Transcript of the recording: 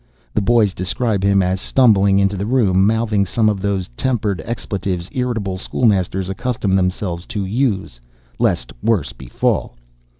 The boys describe him as stumbling into the room mouthing some of those tempered expletives irritable schoolmasters accustom themselves to use lest worse befall.